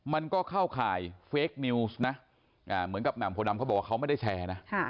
มันก็เข้าข่ายเฟคนิวส์นะเหมือนกับแหม่มโพดำเขาบอกว่าเขาไม่ได้แชร์นะ